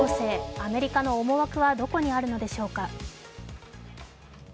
アメリカの思惑はどこにあるのでしょうか。